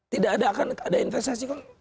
tidak akan ada investasi